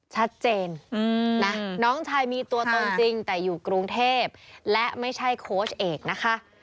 ชัดเจนนะน้องชายมีตัวตนจริงแต่อยู่กรุงเทพและไม่ใช่โค้ชเอกนะคะ